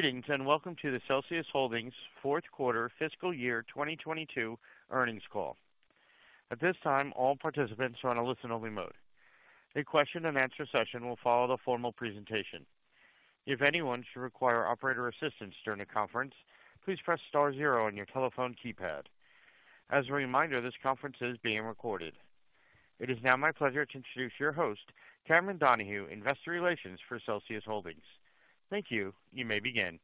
Greetings, welcome to the Celsius Holdings fourth quarter fiscal year 2022 earnings call. At this time, all participants are on a listen only mode. A question and answer session will follow the formal presentation. If anyone should require operator assistance during the conference, please press star zero on your telephone keypad. As a reminder, this conference is being recorded. It is now my pleasure to introduce your host, Cameron Donahue, Investor Relations for Celsius Holdings. Thank you. You may begin.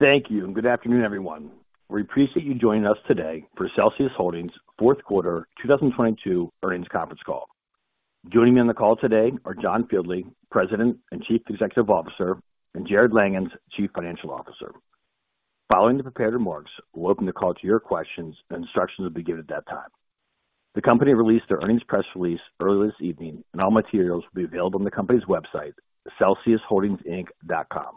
Thank you and good afternoon, everyone. We appreciate you joining us today for Celsius Holdings fourth quarter 2022 earnings conference call. Joining me on the call today are John Fieldly, President and Chief Executive Officer, and Jarrod Langhans, Chief Financial Officer. Following the prepared remarks, we'll open the call to your questions and instructions will be given at that time. The company released their earnings press release early this evening, and all materials will be available on the company's website, the celsiusholdingsinc.com.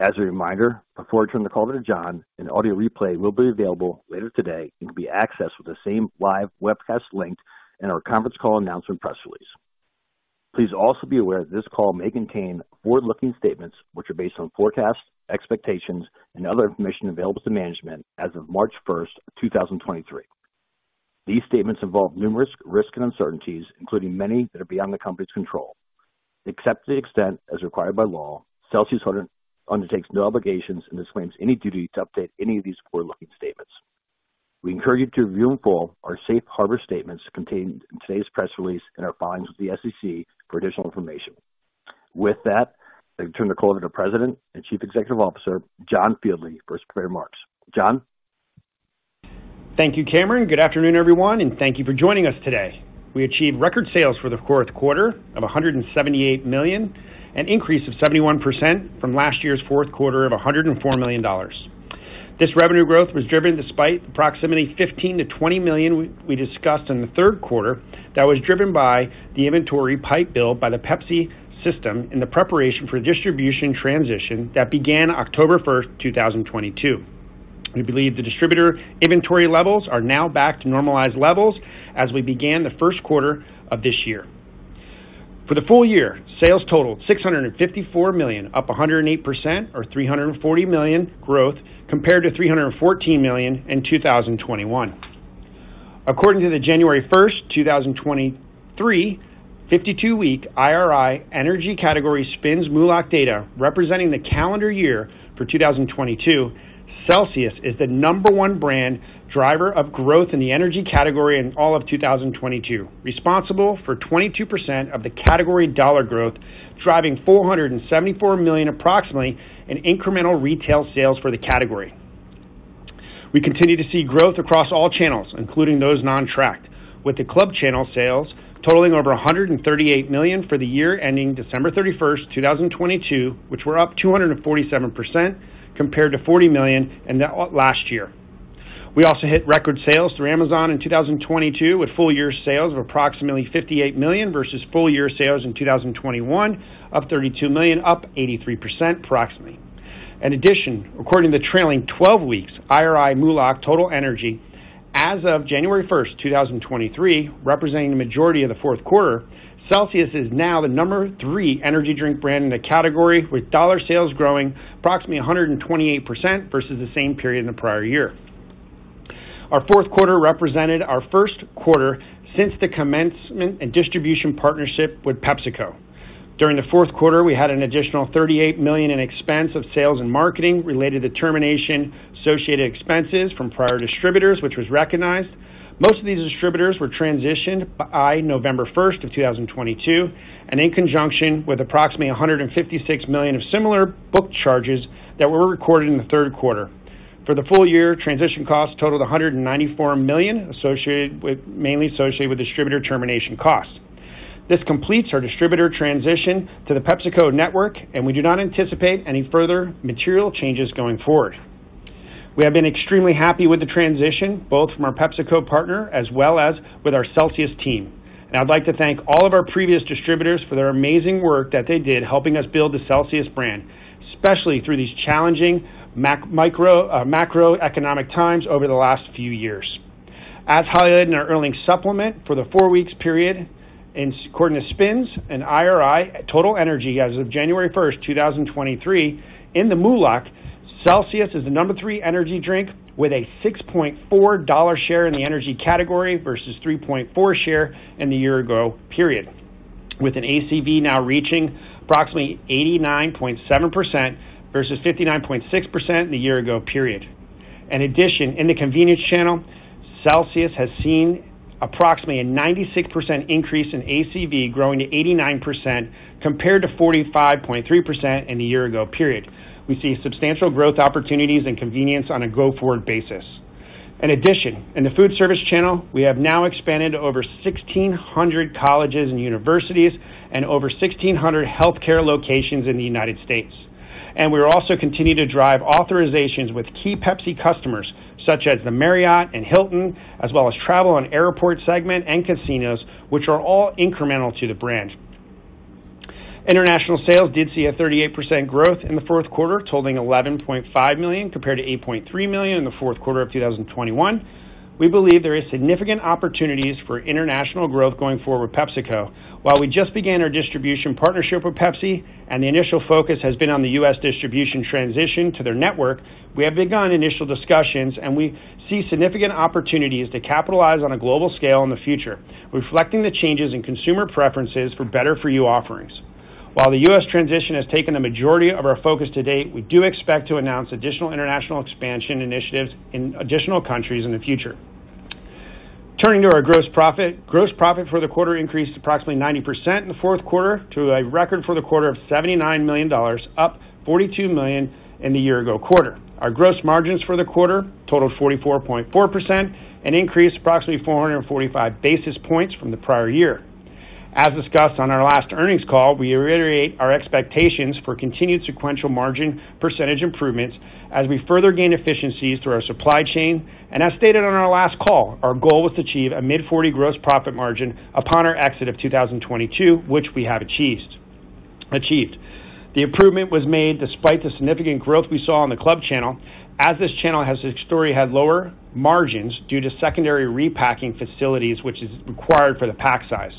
As a reminder, before I turn the call to John, an audio replay will be available later today and can be accessed with the same live webcast link in our conference call announcement press release. Please also be aware that this call may contain forward-looking statements which are based on forecasts, expectations and other information available to management as of March 1st, 2023. These statements involve numerous risks and uncertainties, including many that are beyond the company's control. Except to the extent as required by law, Celsius undertakes no obligations and disclaims any duty to update any of these forward-looking statements. We encourage you to review in full our safe harbor statements contained in today's press release and our filings with the SEC for additional information. With that, I turn the call over to President and Chief Executive Officer, John Fieldly for his prepared remarks. John. Thank you, Cameron. Good afternoon, everyone, thank you for joining us today. We achieved record sales for the fourth quarter of $178 million, an increase of 71% from last year's fourth quarter of $104 million. This revenue growth was driven despite the approximately $15 million-$20 million we discussed in the third quarter that was driven by the inventory pipe bill by the Pepsi system in the preparation for distribution transition that began October 1st, 2022. We believe the distributor inventory levels are now back to normalized levels as we began the first quarter of this year. For the full year, sales totaled $654 million, up 108% or $340 million growth compared to $314 million in 2021. According to the January 1st, 2023, 52-week IRI energy category SPINS MULO+C data, representing the calendar year for 2022, Celsius is the number one brand driver of growth in the energy category in all of 2022, responsible for 22% of the category dollar growth, driving $474 million approximately in incremental retail sales for the category. We continue to see growth across all channels, including those non-tracked, with the club channel sales totaling over $138 million for the year ending December 31st, 2022, which were up 247% compared to $40 million in the last year. We also hit record sales through Amazon in 2022, with full year sales of approximately $58 million versus full year sales in 2021 of $32 million, up 83% approximately. According to trailing 12 weeks IRI MULO+C total energy as of January 1st, 2023, representing the majority of the fourth quarter, Celsius is now the number three energy drink brand in the category, with dollar sales growing approximately 128% versus the same period in the prior year. Our fourth quarter represented our first quarter since the commencement and distribution partnership with PepsiCo. During the fourth quarter, we had an additional $38 million in expense of sales and marketing related to termination, associated expenses from prior distributors, which was recognized. Most of these distributors were transitioned by November 1st, 2022, in conjunction with approximately $156 million of similar book charges that were recorded in the third quarter. For the full year, transition costs totaled $194 million, mainly associated with distributor termination costs. This completes our distributor transition to the PepsiCo network, and we do not anticipate any further material changes going forward. We have been extremely happy with the transition, both from our PepsiCo partner as well as with our Celsius team. I'd like to thank all of our previous distributors for their amazing work that they did, helping us build the Celsius brand, especially through these challenging macroeconomic times over the last few years. As highlighted in our earnings supplement for the four weeks period according to SPINS and IRI total energy as of January 1st, 2023 in the MULO+C, Celsius is the number three energy drink with a $6.4 share in the energy category versus 3.4% share in the year ago period, with an ACV now reaching approximately 89.7% versus 59.6% in the year ago period. In addition, in the convenience channel, Celsius has seen approximately a 96% increase in ACV growing to 89% compared to 45.3% in the year ago period. We see substantial growth opportunities and convenience on a go forward basis. In addition, in the food service channel, we have now expanded to over 1,600 colleges and universities and over 1,600 healthcare locations in the United States. We also continue to drive authorizations with key PepsiCo customers such as the Marriott and Hilton, as well as travel and airport segment and casinos, which are all incremental to the brand. International sales did see a 38% growth in the fourth quarter, totaling $11.5 million compared to $8.3 million in the fourth quarter of 2021. We believe there is significant opportunities for international growth going forward with PepsiCo. While we just began our distribution partnership with PepsiCo and the initial focus has been on the U.S. distribution transition to their network, we have begun initial discussions, and we see significant opportunities to capitalize on a global scale in the future, reflecting the changes in consumer preferences for better for you offerings. While the U.S. transition has taken the majority of our focus to date, we do expect to announce additional international expansion initiatives in additional countries in the future. Turning to our gross profit. Gross profit for the quarter increased approximately 90% in the fourth quarter to a record for the quarter of $79 million, up $42 million in the year ago quarter. Our gross margins for the quarter totaled 44.4%, an increase of approximately 445 basis points from the prior year. As discussed on our last earnings call, we reiterate our expectations for continued sequential margin percentage improvements as we further gain efficiencies through our supply chain. As stated on our last call, our goal was to achieve a mid-forty gross profit margin upon our exit of 2022, which we have achieved. The improvement was made despite the significant growth we saw on the club channel as this channel has historically had lower margins due to secondary repacking facilities, which is required for the pack size.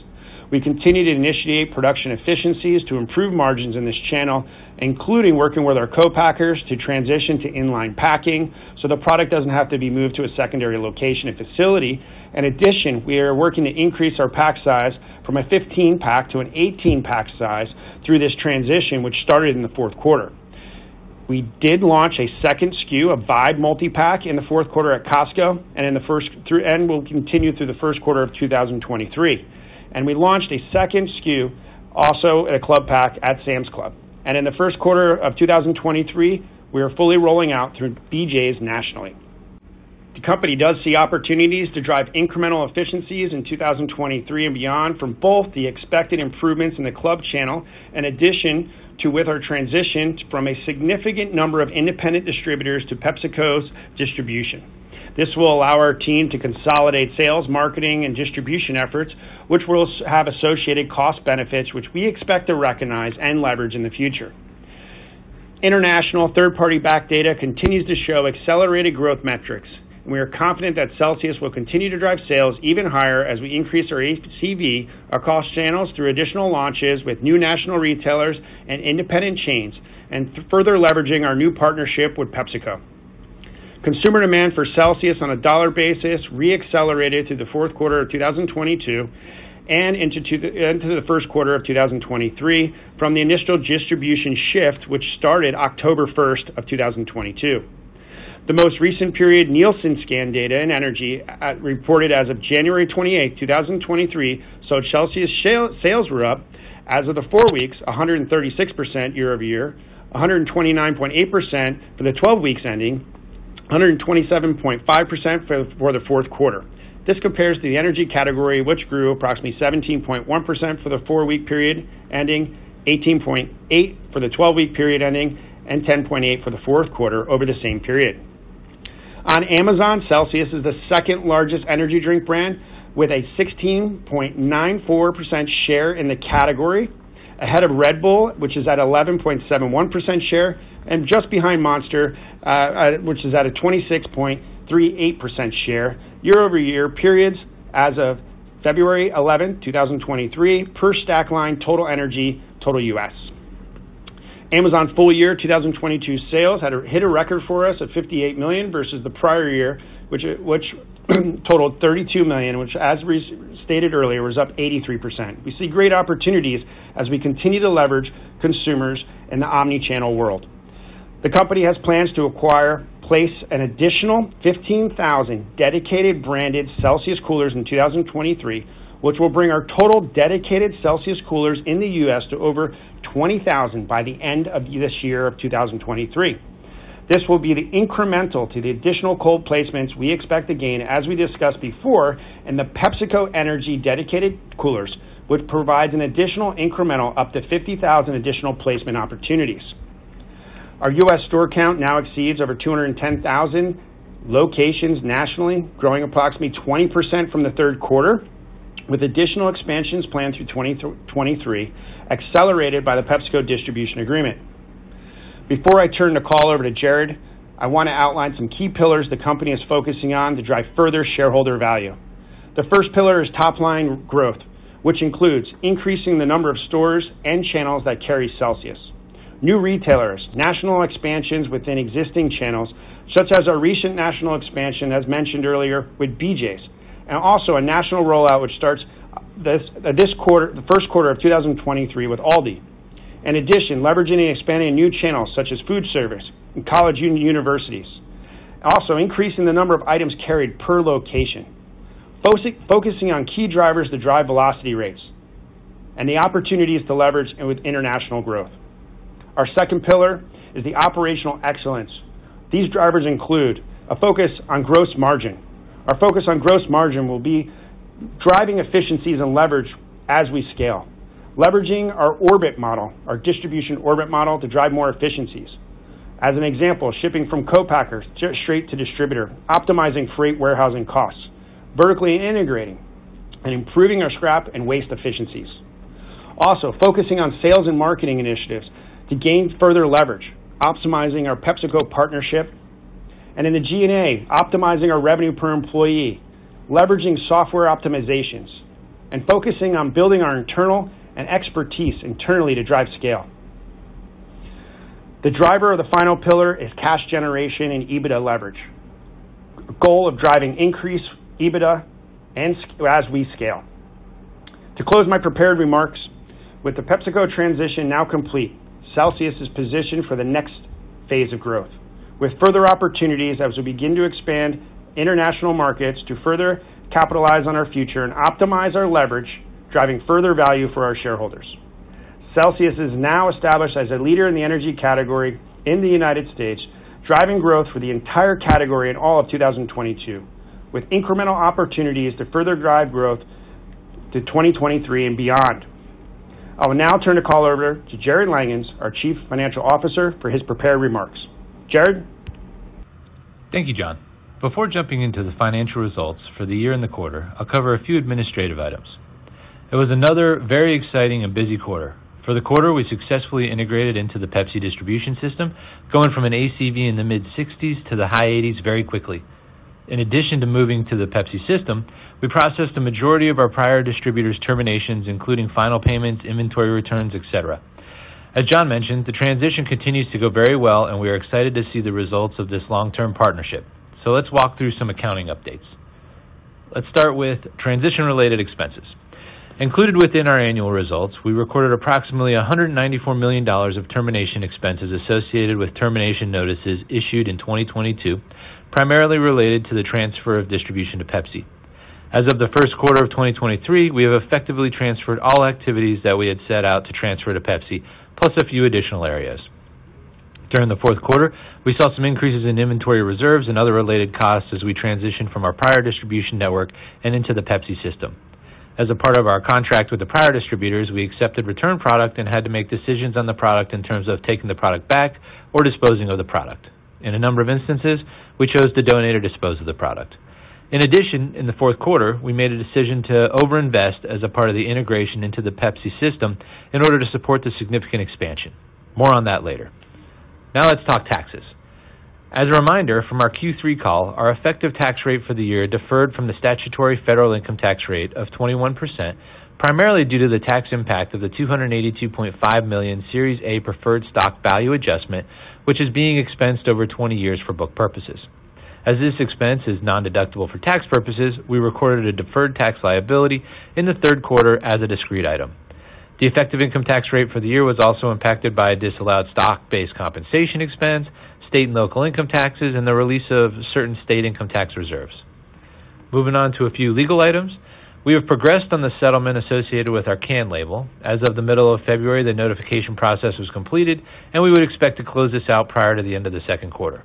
We continue to initiate production efficiencies to improve margins in this channel, including working with our co-packers to transition to inline packing so the product doesn't have to be moved to a secondary location and facility. In addition, we are working to increase our pack size from a 15-pack to an 18-pack size through this transition, which started in the fourth quarter. We did launch a second SKU, a Vibe multi-pack, in the fourth quarter at Costco, and will continue through the first quarter of 2023. We launched a second SKU also at a club pack at Sam's Club. In the first quarter of 2023, we are fully rolling out through BJ's nationally. The company does see opportunities to drive incremental efficiencies in 2023 and beyond from both the expected improvements in the club channel, in addition to with our transitions from a significant number of independent distributors to PepsiCo's distribution. This will allow our team to consolidate sales, marketing, and distribution efforts, which will have associated cost benefits, which we expect to recognize and leverage in the future. International third-party back data continues to show accelerated growth metrics. We are confident that Celsius will continue to drive sales even higher as we increase our ACV across channels through additional launches with new national retailers and independent chains, and further leveraging our new partnership with PepsiCo. Consumer demand for Celsius on a dollar basis re-accelerated through the fourth quarter of 2022 and into the first quarter of 2023 from the initial distribution shift which started October 1st, 2022. The most recent period, Nielsen scan data and energy reported as of January 28, 2023, so Celsius sales were up, as of the four weeks, 136% year-over-year, 129.8% for the 12 weeks ending, 127.5% for the fourth quarter. This compares to the energy category, which grew approximately 17.1% for the four-week period ending, 18.8% for the 12-week period ending, and 10.8% for the fourth quarter over the same period. On Amazon, Celsius is the second-largest energy drink brand with a 16.94% share in the category, ahead of Red Bull, which is at 11.71% share, and just behind Monster, which is at a 26.38% share, year-over-year periods as of February 11, 2023, per Stackline total energy total U.S. Amazon full year 2022 sales hit a record for us at $58 million versus the prior year, which totaled $32 million, which as we stated earlier, was up 83%. We see great opportunities as we continue to leverage consumers in the omni-channel world. The company has plans to place an additional 15,000 dedicated branded Celsius coolers in 2023, which will bring our total dedicated Celsius coolers in the U.S. to over 20,000 by the end of this year of 2023. This will be the incremental to the additional cold placements we expect to gain, as we discussed before, in the PepsiCo Energy dedicated coolers, which provides an additional incremental up to 50,000 additional placement opportunities. Our U.S. store count now exceeds over 210,000 locations nationally, growing approximately 20% from the third quarter, with additional expansions planned through 2023, accelerated by the PepsiCo distribution agreement. Before I turn the call over to Jarrod, I want to outline some key pillars the company is focusing on to drive further shareholder value. The first pillar is top-line growth, which includes increasing the number of stores and channels that carry Celsius. New retailers, national expansions within existing channels, such as our recent national expansion, as mentioned earlier, with BJ's, and also a national rollout which starts this quarter the first quarter of 2023 with Aldi. In addition, leveraging and expanding new channels such as food service and college universities. Also increasing the number of items carried per location. Focusing on key drivers to drive velocity rates and the opportunities to leverage and with international growth. Our second pillar is the operational excellence. These drivers include a focus on gross margin. Our focus on gross margin will be driving efficiencies and leverage as we scale. Leveraging our Orbit model, our distribution Orbit model, to drive more efficiencies. As an example, shipping from co-packers straight to distributor, optimizing freight warehousing costs, vertically integrating and improving our scrap and waste efficiencies. Focusing on sales and marketing initiatives to gain further leverage, optimizing our PepsiCo partnership. In the G&A, optimizing our revenue per employee, leveraging software optimizations, and focusing on building our internal and expertise internally to drive scale. The driver of the final pillar is cash generation and EBITDA leverage. Goal of driving increased EBITDA as we scale. To close my prepared remarks, with the PepsiCo transition now complete, Celsius is positioned for the next phase of growth, with further opportunities as we begin to expand international markets to further capitalize on our future and optimize our leverage, driving further value for our shareholders. Celsius is now established as a leader in the energy category in the United States, driving growth for the entire category in all of 2022, with incremental opportunities to further drive growth to 2023 and beyond. I will now turn the call over to Jarrod Langhans, our Chief Financial Officer, for his prepared remarks. Jarrod? Thank you, John. Before jumping into the financial results for the year and the quarter, I'll cover a few administrative items. It was another very exciting and busy quarter. For the quarter, we successfully integrated into the Pepsi distribution system, going from an ACV in the mid-60s to the high 80s very quickly. In addition to moving to the Pepsi system, we processed a majority of our prior distributors terminations, including final payments, inventory returns, et cetera. As John mentioned, the transition continues to go very well, and we are excited to see the results of this long-term partnership. Let's walk through some accounting updates. Let's start with transition-related expenses. Included within our annual results, we recorded approximately $194 million of termination expenses associated with termination notices issued in 2022, primarily related to the transfer of distribution to Pepsi. As of the first quarter of 2023, we have effectively transferred all activities that we had set out to transfer to Pepsi, plus a few additional areas. During the fourth quarter, we saw some increases in inventory reserves and other related costs as we transitioned from our prior distribution network and into the Pepsi system. As a part of our contract with the prior distributors, we accepted return product and had to make decisions on the product in terms of taking the product back or disposing of the product. In a number of instances, we chose to donate or dispose of the product. In addition, in the fourth quarter, we made a decision to over-invest as a part of the integration into the Pepsi system in order to support the significant expansion. More on that later. Now let's talk taxes. As a reminder from our Q3 call, our effective tax rate for the year deferred from the statutory federal income tax rate of 21%, primarily due to the tax impact of the $282.5 million Series A preferred stock value adjustment, which is being expensed over 20 years for book purposes. As this expense is nondeductible for tax purposes, we recorded a deferred tax liability in the third quarter as a discrete item. The effective income tax rate for the year was also impacted by a disallowed stock-based compensation expense, state and local income taxes, and the release of certain state income tax reserves. Moving on to a few legal items. We have progressed on the settlement associated with our can label. As of the middle of February, the notification process was completed, and we would expect to close this out prior to the end of the second quarter.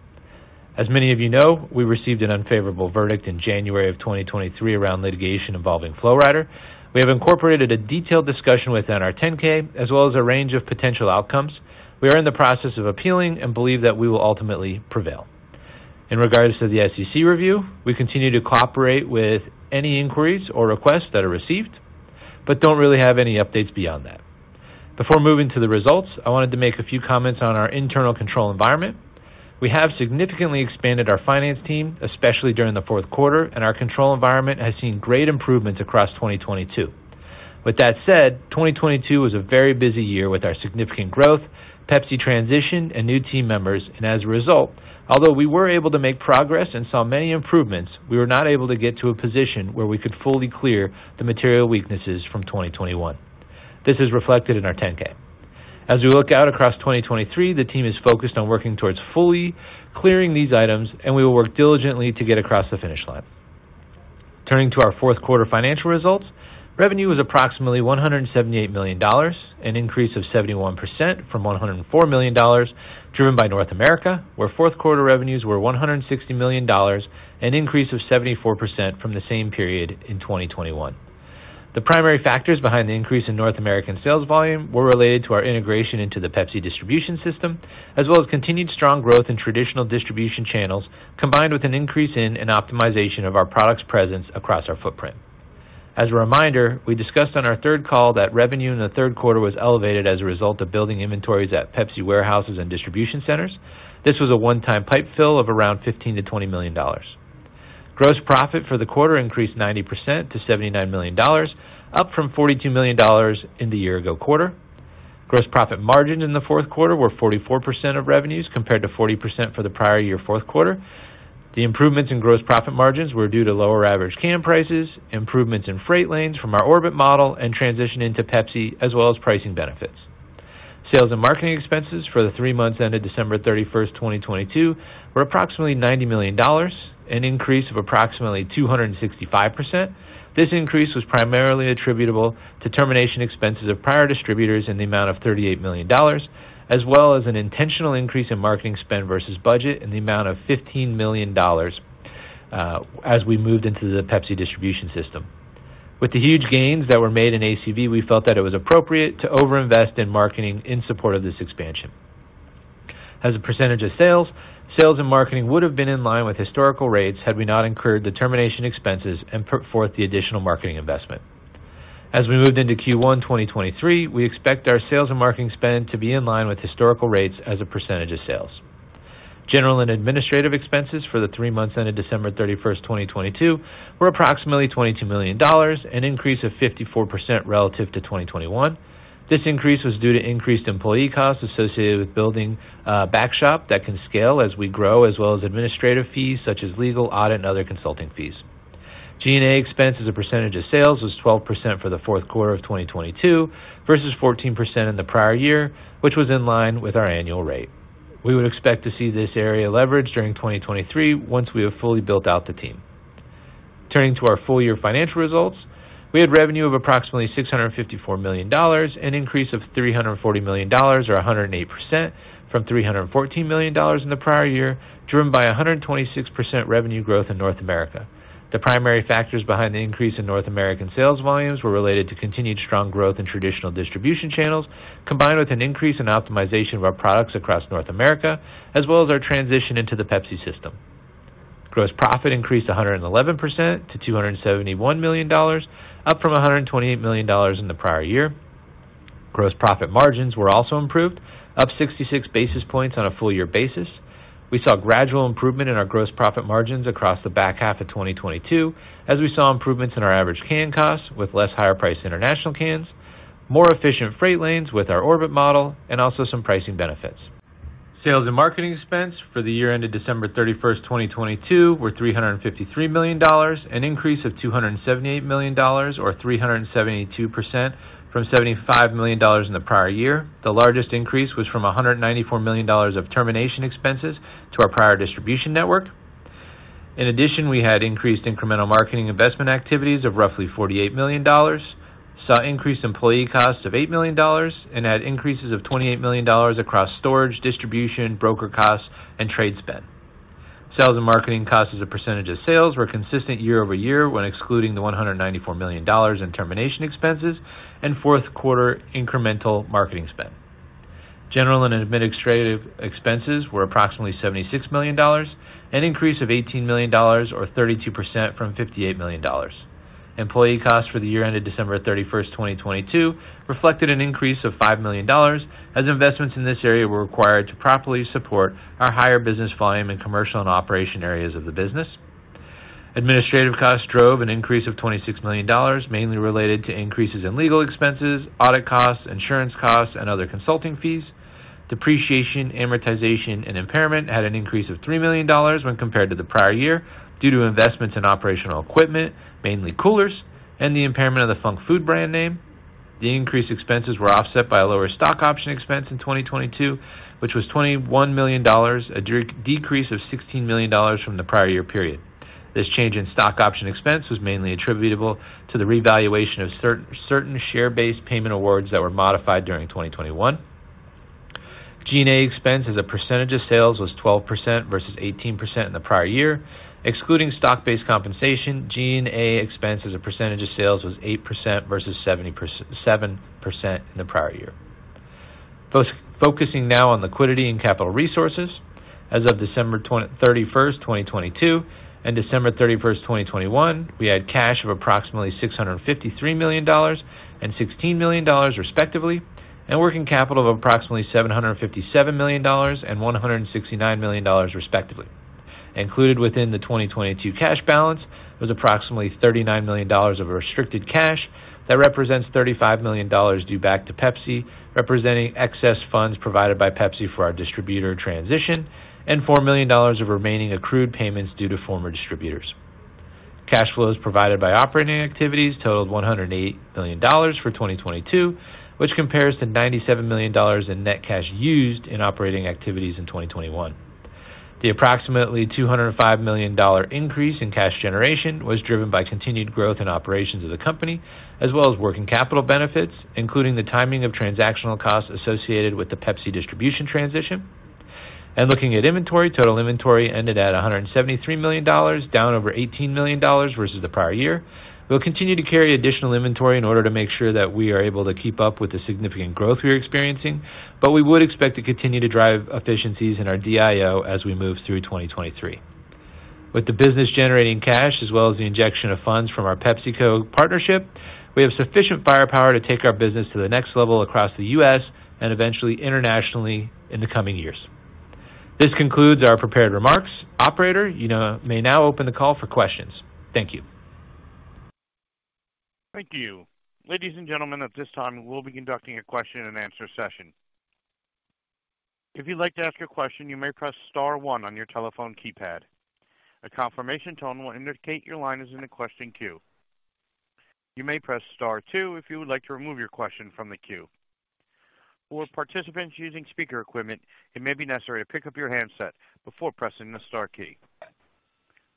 As many of you know, we received an unfavorable verdict in January of 2023 around litigation involving Flo Rida. We have incorporated a detailed discussion within our 10-K, as well as a range of potential outcomes. We are in the process of appealing and believe that we will ultimately prevail. In regards to the SEC review, we continue to cooperate with any inquiries or requests that are received, but don't really have any updates beyond that. Before moving to the results, I wanted to make a few comments on our internal control environment. We have significantly expanded our finance team, especially during the fourth quarter, and our control environment has seen great improvements across 2022. With that said, 2022 was a very busy year with our significant growth, Pepsi transition, and new team members. As a result, although we were able to make progress and saw many improvements, we were not able to get to a position where we could fully clear the material weaknesses from 2021. This is reflected in our 10-K. As we look out across 2023, the team is focused on working towards fully clearing these items, we will work diligently to get across the finish line. Turning to our fourth quarter financial results, revenue was approximately $178 million, an increase of 71% from $104 million driven by North America, where fourth quarter revenues were $160 million, an increase of 74% from the same period in 2021. The primary factors behind the increase in North American sales volume were related to our integration into the Pepsi distribution system, as well as continued strong growth in traditional distribution channels, combined with an increase in and optimization of our products presence across our footprint. As a reminder, we discussed on our third call that revenue in the third quarter was elevated as a result of building inventories at Pepsi warehouses and distribution centers. This was a one-time pipe fill of around $15 million-$20 million. Gross profit for the quarter increased 90% to $79 million, up from $42 million in the year ago quarter. Gross profit margin in the fourth quarter were 44% of revenues, compared to 40% for the prior year fourth quarter. The improvements in gross profit margins were due to lower average can prices, improvements in freight lanes from our Orbit model and transition into Pepsi, as well as pricing benefits. Sales and marketing expenses for the three months ended December 31st, 2022, were approximately $90 million, an increase of approximately 265%. This increase was primarily attributable to termination expenses of prior distributors in the amount of $38 million, as well as an intentional increase in marketing spend versus budget in the amount of $15 million, as we moved into the Pepsi distribution system. With the huge gains that were made in ACV, we felt that it was appropriate to overinvest in marketing in support of this expansion. As a % of sales and marketing would have been in line with historical rates had we not incurred the termination expenses and put forth the additional marketing investment. As we moved into Q1 2023, we expect our sales and marketing spend to be in line with historical rates as a % of sales. General and administrative expenses for the three months ended December 31st, 2022 were approximately $22 million, an increase of 54% relative to 2021. This increase was due to increased employee costs associated with building a back shop that can scale as we grow, as well as administrative fees such as legal, audit, and other consulting fees. G&A expense as a percentage of sales was 12% for the fourth quarter of 2022 versus 14% in the prior year, which was in line with our annual rate. We would expect to see this area leverage during 2023 once we have fully built out the team. Turning to our full year financial results, we had revenue of approximately $654 million, an increase of $340 million or 108% from $314 million in the prior year, driven by 126% revenue growth in North America. The primary factors behind the increase in North American sales volumes were related to continued strong growth in traditional distribution channels, combined with an increase in optimization of our products across North America, as well as our transition into the Pepsi system. Gross profit increased 111% to $271 million, up from $128 million in the prior year. Gross profit margins were also improved, up 66 basis points on a full year basis. We saw gradual improvement in our gross profit margins across the back half of 2022, as we saw improvements in our average can costs with less higher price international cans, more efficient freight lanes with our Orbit model and also some pricing benefits. Sales and marketing expense for the year ended December 31st, 2022 were $353 million, an increase of $278 million or 372% from $75 million in the prior year. The largest increase was from $194 million of termination expenses to our prior distribution network. We had increased incremental marketing investment activities of roughly $48 million, saw increased employee costs of $8 million, and had increases of $28 million across storage, distribution, broker costs, and trade spend. Sales and marketing costs as a percentage of sales were consistent year-over-year when excluding the $194 million in termination expenses and fourth quarter incremental marketing spend. General and administrative expenses were approximately $76 million, an increase of $18 million or 32% from $58 million. Employee costs for the year ended December 31st, 2022 reflected an increase of $5 million as investments in this area were required to properly support our higher business volume in commercial and operation areas of the business. Administrative costs drove an increase of $26 million, mainly related to increases in legal expenses, audit costs, insurance costs, and other consulting fees. Depreciation, amortization, and impairment had an increase of $3 million when compared to the prior year due to investments in operational equipment, mainly coolers and the impairment of the Func Food brand name. The increased expenses were offset by a lower stock option expense in 2022, which was $21 million, a decrease of $16 million from the prior year period. This change in stock option expense was mainly attributable to the revaluation of certain share-based payment awards that were modified during 2021. G&A expense as a percentage of sales was 12% versus 18% in the prior year. Excluding stock-based compensation, G&A expense as a percentage of sales was 8% versus 7% in the prior year. Focusing now on liquidity and capital resources. As of December 31st, 2022 and December 31st, 2021, we had cash of approximately $653 million and $16 million respectively, and working capital of approximately $757 million and $169 million respectively. Included within the 2022 cash balance was approximately $39 million of restricted cash that represents $35 million due back to Pepsi, representing excess funds provided by Pepsi for our distributor transition and $4 million of remaining accrued payments due to former distributors. Cash flows provided by operating activities totaled $108 million for 2022, which compares to $97 million in net cash used in operating activities in 2021. The approximately $205 million increase in cash generation was driven by continued growth in operations of the company, as well as working capital benefits, including the timing of transactional costs associated with the Pepsi distribution transition. Looking at inventory, total inventory ended at $173 million, down over $18 million versus the prior year. We'll continue to carry additional inventory in order to make sure that we are able to keep up with the significant growth we're experiencing. We would expect to continue to drive efficiencies in our DIO as we move through 2023. With the business generating cash as well as the injection of funds from our PepsiCo partnership, we have sufficient firepower to take our business to the next level across the U.S. and eventually internationally in the coming years. This concludes our prepared remarks. Operator, may now open the call for questions. Thank you. Thank you. Ladies and gentlemen, at this time, we'll be conducting a question and answer session. If you'd like to ask a question, you may press star one on your telephone keypad. A confirmation tone will indicate your line is in the question queue. You may press star two if you would like to remove your question from the queue. For participants using speaker equipment, it may be necessary to pick up your handset before pressing the star key.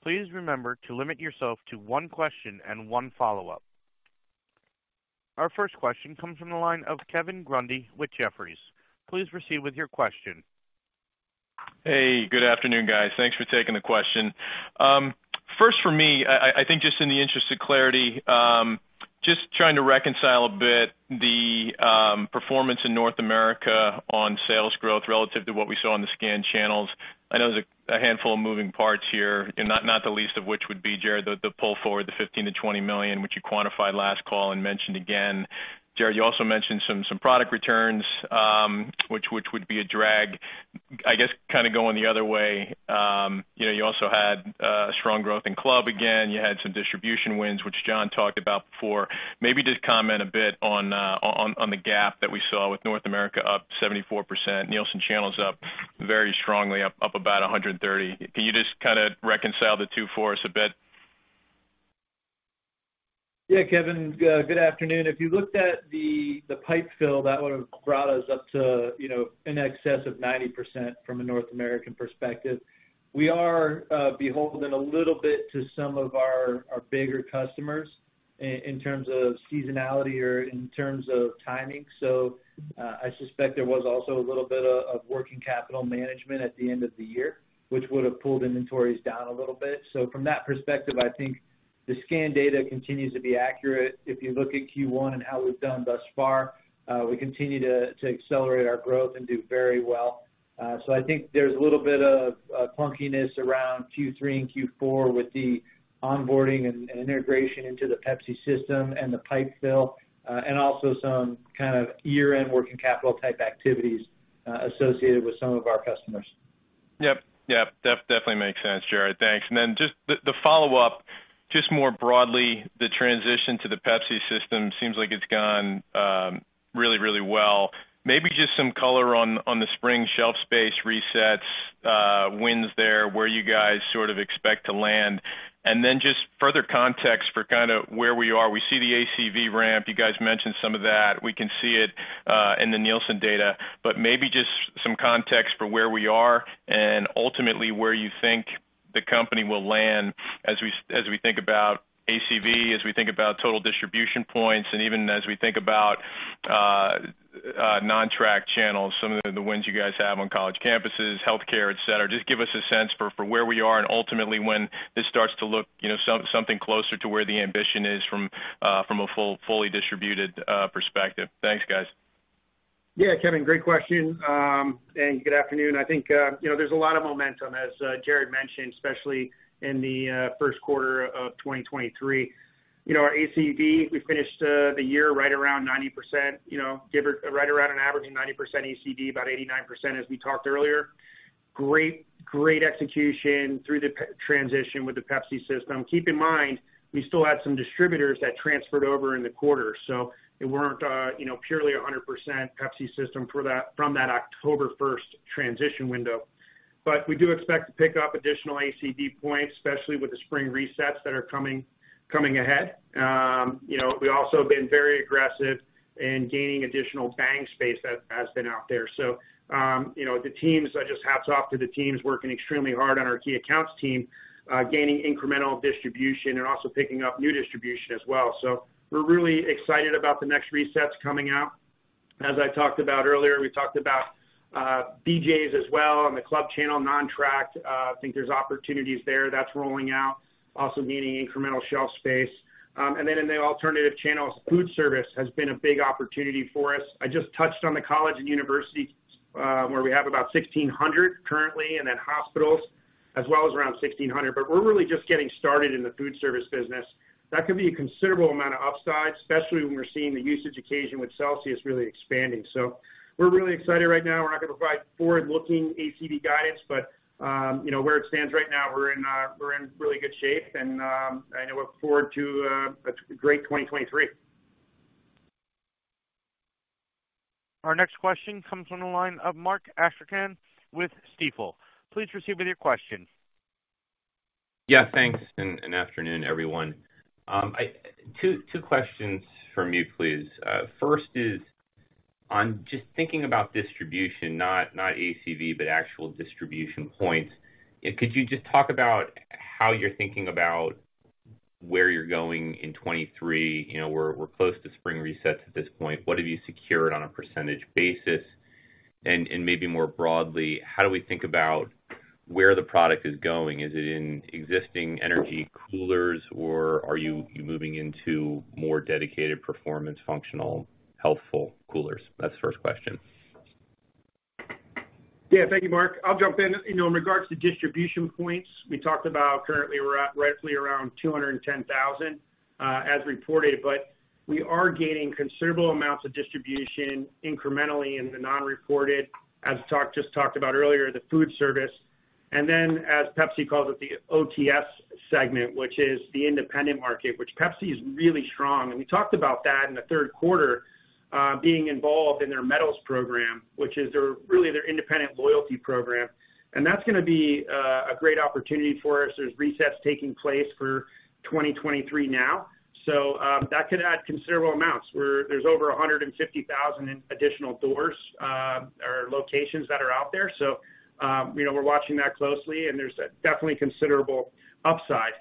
Please remember to limit yourself to one question and one follow-up. Our first question comes from the line of Kevin Grundy with Jefferies. Please proceed with your question. Hey, good afternoon, guys. Thanks for taking the question. First for me, just in the interest of clarity, just trying to reconcile a bit the performance in North America on sales growth relative to what we saw on the scan channels. I know there's a handful of moving parts here and not the least of which would be, Jarrod, the pull forward, the $15 million-$20 million, which you quantified last call and mentioned again. Jarrod, you also mentioned some product returns, which would be a drag. I guess kind of going the other way, you know, you also had strong growth in club again, you had some distribution wins, which John talked about before. Maybe just comment a bit on the gap that we saw with North America up 74%, Nielsen channels up very strongly, up about 130%. Can you just kinda reconcile the two for us a bit? Kevin, good afternoon. If you looked at the pipe fill, that would have brought us up to, you know, in excess of 90% from a North American perspective. We are beholden a little bit to some of our bigger customers in terms of seasonality or in terms of timing. I suspect there was also a little bit of working capital management at the end of the year, which would have pulled inventories down a little bit. From that perspective, I think the scan data continues to be accurate. If you look at Q1 and how we've done thus far, we continue to accelerate our growth and do very well.I think there's a little bit of clunkiness around Q3 and Q4 with the onboarding and integration into the Pepsi system and the pipe fill, and also some kind of year-end working capital type activities associated with some of our customers. Yep. Yep. Definitely makes sense, Jarrod. Thanks. And then just the follow-up, just more broadly, the transition to the Pepsi system seems like it's gone really, really well. Maybe just some color on the spring shelf space resets, wins there, where you guys sort of expect to land. And then just further context for kind of where we are. We see the ACV ramp. You guys mentioned some of that. We can see it in the Nielsen data, but maybe just some context for where we are and ultimately where you think the company will land as we think about ACV, as we think about total distribution points, and even as we think about non-track channels, some of the wins you guys have on college campuses, healthcare, et cetera. Just give us a sense for where we are and ultimately when this starts to look, you know, something closer to where the ambition is from a fully distributed perspective. Thanks, guys. Yeah, Kevin, great question. Good afternoon. I think, you know, there's a lot of momentum, as Jarrod mentioned, especially in the first quarter of 2023. You know, our ACV, we finished the year right around 90%, you know, right around an average of 90% ACV, about 89% as we talked earlier. Great execution through the transition with the Pepsi system. Keep in mind, we still had some distributors that transferred over in the quarter, so they weren't, you know, purely 100% Pepsi system from that October 1st transition window. We do expect to pick up additional ACV points, especially with the spring resets that are coming ahead. You know, we also have been very aggressive in gaining additional Bang space that has been out there. You know, the teams, I just hats off to the teams working extremely hard on our key accounts team, gaining incremental distribution and also picking up new distribution as well. We're really excited about the next resets coming out. As I talked about earlier, we talked about BJs as well on the club channel non-tracked. I think there's opportunities there that's rolling out, also gaining incremental shelf space. In the alternative channels, food service has been a big opportunity for us. I just touched on the college and university, where we have about 1,600 currently, hospitals as well as around 1,600. We're really just getting started in the food service business. That could be a considerable amount of upside, especially when we're seeing the usage occasion with Celsius really expanding. We're really excited right now. We're not going to provide forward-looking ACV guidance, but, you know, where it stands right now, we're in really good shape and I know look forward to a great 2023. Our next question comes from the line of Mark Astrachan with Stifel. Please proceed with your question. Yeah, thanks. afternoon, everyone. Two questions from me, please. first is on just thinking about distribution, not ACV, but actual distribution points. Could you just talk about how you're thinking about where you're going in 2023? You know, we're close to spring resets at this point. What have you secured on a percentage basis? maybe more broadly, how do we think about where the product is going? Is it in existing energy coolers, or are you moving into more dedicated performance, functional, healthful coolers? That's the first question. Yeah. Thank you, Mark. I'll jump in. You know, in regards to distribution points, we talked about currently we're at roughly around 210,000 as reported, but we are gaining considerable amounts of distribution incrementally in the non-reported, as just talked about earlier, the food service. As Pepsi calls it, the OTS segment, which is the independent market, which Pepsi is really strong. We talked about that in the third quarter, being involved in their metals program, which is really their independent loyalty program. That's gonna be a great opportunity for us. There's resets taking place for 2023 now. That could add considerable amounts, where there's over 150,000 in additional doors or locations that are out there. You know, we're watching that closely and there's a definitely considerable upside.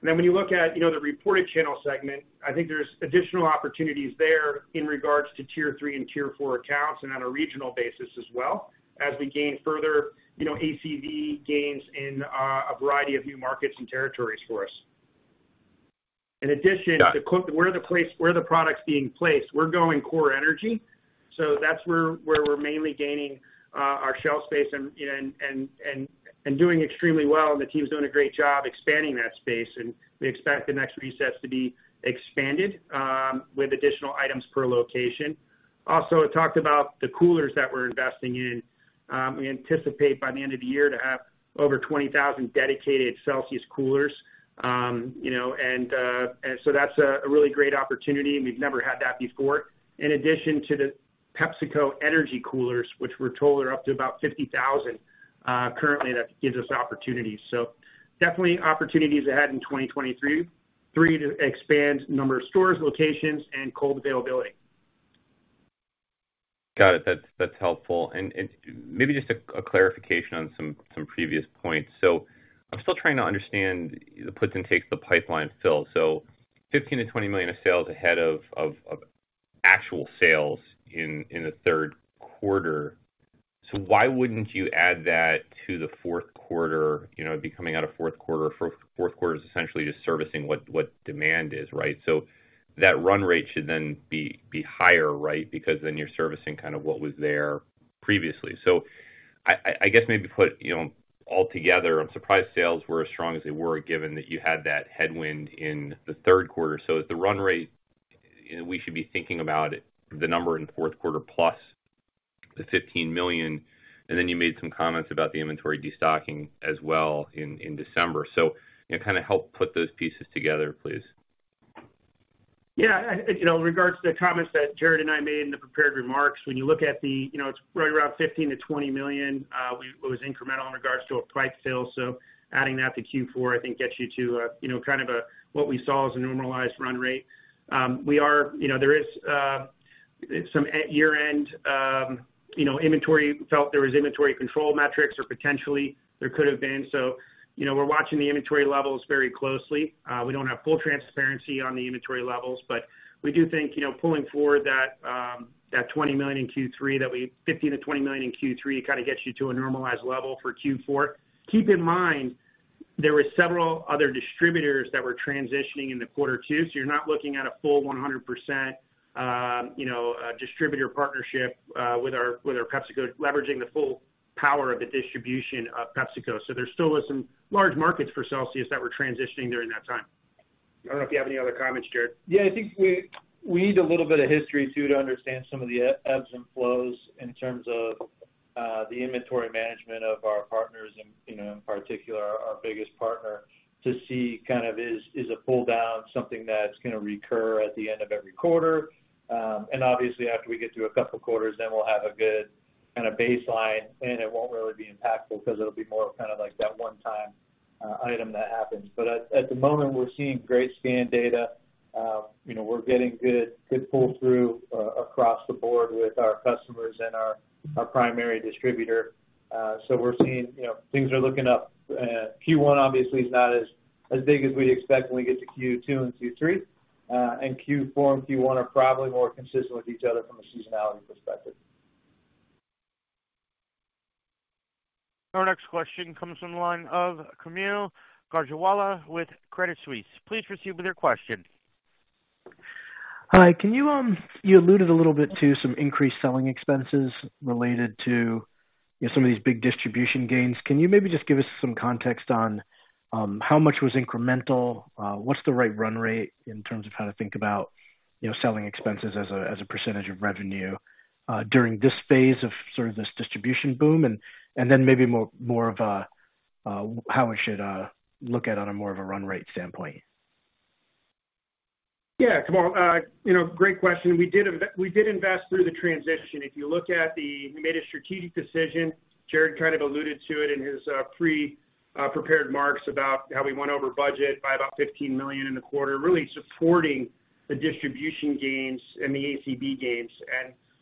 When you look at, you know, the reported channel segment, I think there's additional opportunities there in regards to tier 3 and tier 4 accounts and on a regional basis as well as we gain further, you know, ACV gains in a variety of new markets and territories for us. In addition, where are the products being placed? We're going core energy. That's where we're mainly gaining our shelf space and doing extremely well. The team's doing a great job expanding that space, and we expect the next resets to be expanded with additional items per location. Also, I talked about the coolers that we're investing in. We anticipate by the end of the year to have over 20,000 dedicated Celsius coolers. You know, and so that's a really great opportunity, and we've never had that before. In addition to the PepsiCo energy coolers, which we're told are up to about 50,000 currently, that gives us opportunities. Definitely opportunities ahead in 2023 to expand the number of stores, locations, and cold availability. Got it. That's helpful. Maybe just a clarification on some previous points. I'm still trying to understand the puts and takes the pipeline fill. $15 million-$20 million of sales ahead of actual sales in the third quarter. Why wouldn't you add that to the fourth quarter? You know, it'd be coming out of fourth quarter. Fourth quarter is essentially just servicing what demand is, right? That run rate should then be higher, right? Because then you're servicing kind of what was there previously. I guess maybe put, you know, altogether, I'm surprised sales were as strong as they were, given that you had that headwind in the third quarter. Is the run rate, we should be thinking about the number in fourth quarter plus the $15 million, and then you made some comments about the inventory destocking as well in December. You know, kind of help put those pieces together, please. Yeah. You know, in regards to the comments that Jarrod and I made in the prepared remarks, when you look at the, you know, it's right around $15 million-$20 million, it was incremental in regards to a pipe fill. Adding that to Q4, I think gets you to a, you know, kind of a what we saw as a normalized run rate. You know, there is some year-end, you know, inventory. Felt there was inventory control metrics or potentially there could have been. You know, we're watching the inventory levels very closely. We don't have full transparency on the inventory levels, but we do think, you know, pulling forward that $20 million in Q3 $15 million-$20 million in Q3 kind of gets you to a normalized level for Q4. Keep in mind, there were several other distributors that were transitioning into quarter two, so you're not looking at a full 100%, you know, distributor partnership, with our, with our PepsiCo, leveraging the full power of the distribution of PepsiCo. There still was some large markets for Celsius that were transitioning during that time. I don't know if you have any other comments, Jarrod. Yeah, I think we need a little bit of history too, to understand some of the ebbs and flows in terms of the inventory management of our partners and, you know, in particular our biggest partner to see kind of is a pull down something that's gonna recur at the end of every quarter. Obviously after we get through a couple quarters, then we'll have a good kind of baseline, and it won't really be impactful because it'll be more kind of like that one time item that happens. At the moment we're seeing great scan data. You know, we're getting good pull through across the board with our customers and our primary distributor. We're seeing, you know, things are looking up. Q1 obviously is not as big as we'd expect when we get to Q2 and Q3. Q4 and Q1 are probably more consistent with each other from a seasonality perspective. Our next question comes from the line of Kaumil Gajrawala with Credit Suisse. Please proceed with your question. Hi. You alluded a little bit to some increased selling expenses related to some of these big distribution gains. Can you maybe just give us some context on how much was incremental? What's the right run rate in terms of how to think about, you know, selling expenses as a percentage of revenue during this phase of sort of this distribution boom? Then maybe more of a how we should look at it on a more of a run rate standpoint. Yeah. Kaumil, you know, great question. We did invest through the transition. We made a strategic decision. Jarrod kind of alluded to it in his prepared marks about how we went over budget by about $15 million in the quarter, really supporting the distribution gains and the ACV gains.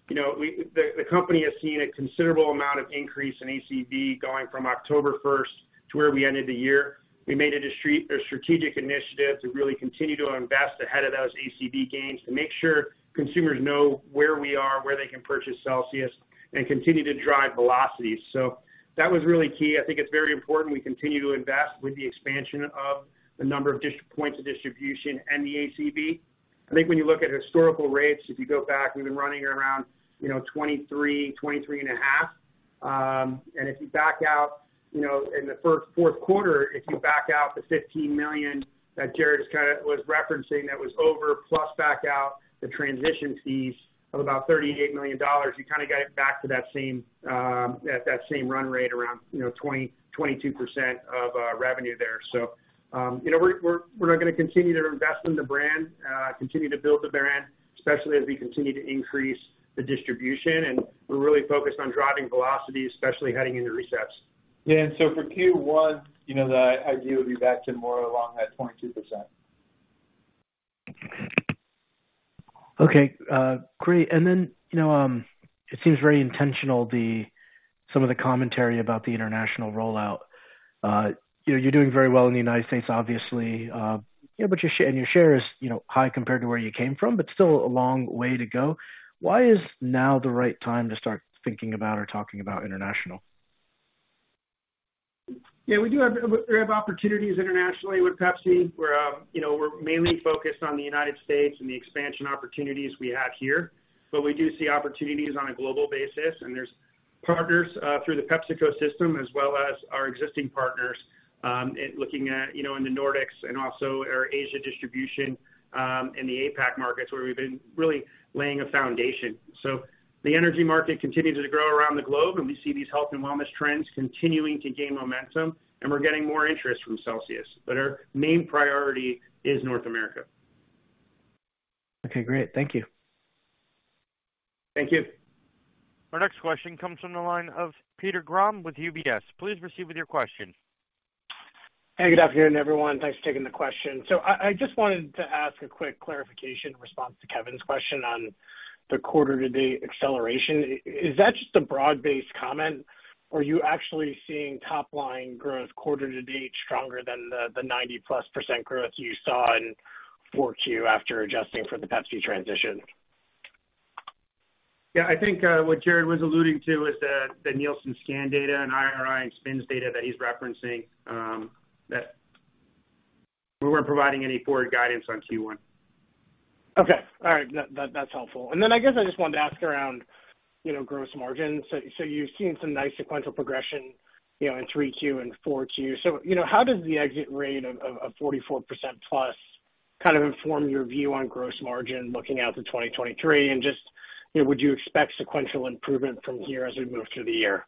You know, the company has seen a considerable amount of increase in ACV going from October first to where we ended the year. We made a strategic initiative to really continue to invest ahead of those ACV gains to make sure consumers know where we are, where they can purchase Celsius and continue to drive velocity. That was really key. I think it's very important we continue to invest with the expansion of the number of points of distribution and the ACV. I think when you look at historical rates, if you go back, we've been running around, you know, 23.5. If you back out, you know, in the fourth quarter, if you back out the $15 million that Jarrod just kind of was referencing, that was over, plus back out the transition fees of about $38 million, you kind of got it back to that same, at that same run rate around, you know, 20%-22% of revenue there. You know, we're now gonna continue to invest in the brand, continue to build the brand, especially as we continue to increase the distribution. We're really focused on driving velocity, especially heading into resets. Yeah. For Q1, you know, the idea would be back to more along that 22%. Okay. great. Then, you know, it seems very intentional the, some of the commentary about the international rollout. you know, you're doing very well in the United States, obviously, yeah, but your share is, you know, high compared to where you came from, but still a long way to go. Why is now the right time to start thinking about or talking about international? Yeah, we have opportunities internationally with Pepsi. We're, you know, we're mainly focused on the United States and the expansion opportunities we have here. We do see opportunities on a global basis. There's partners through the PepsiCo system as well as our existing partners, in looking at, you know, in the Nordics and also our Asia distribution, in the APAC markets where we've been really laying a foundation. The energy market continues to grow around the globe, and we see these health and wellness trends continuing to gain momentum, and we're getting more interest from Celsius. Our main priority is North America. Okay, great. Thank you. Thank you. Our next question comes from the line of Peter Grom with UBS. Please proceed with your question. Hey, good afternoon, everyone. Thanks for taking the question. I just wanted to ask a quick clarification in response to Kevin's question on the quarter to date acceleration. Is that just a broad-based comment, or are you actually seeing top-line growth quarter to date stronger than the 90%+ growth you saw in four Q after adjusting for the Pepsi transition? I think what Jarrod was alluding to is the Nielsen scan data and IRI and SPINS data that he's referencing, that we weren't providing any forward guidance on Q1. Okay. All right. That's helpful. I guess I just wanted to ask around, you know, gross margin. You've seen some nice sequential progression, you know, in three Q and four Q. How does the exit rate of 44%+ kind of inform your view on gross margin looking out to 2023? Just, you know, would you expect sequential improvement from here as we move through the year?